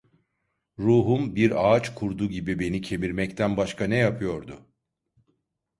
Ruhum, bir ağaç kurdu gibi beni kemirmekten başka ne yapıyordu?